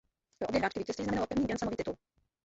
Pro obě hráčky vítězství znamenalo první grandslamový titul.